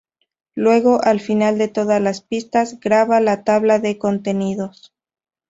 Luego, al final de todas las pistas, graba la tabla de contenidos.